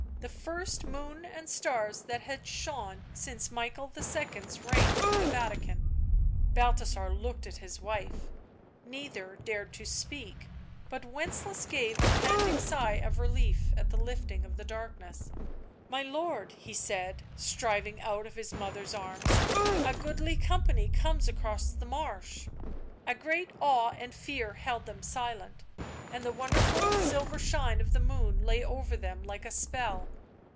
The first moon and stars that had shone since Michael II. 's reign in the Vatican. Balthasar looked at his wife; neither dared to speak, but Wencelaus gave a panting sigh of relief at the lifting of the darkness. " My lord," he said, striving out of his mother's arms, " a goodly company comes across the marsh " A great awe and fear held them silent, and the won derful silver shine of the moon lay over them like a spell.